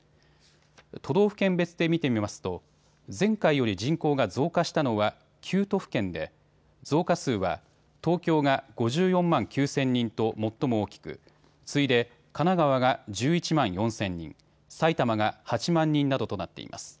都道府県別で見てみますと前回より人口が増加したのは９都府県で増加数は東京が５４万９０００人と最も大きく次いで神奈川が１１万４０００人、埼玉が８万人などとなっています。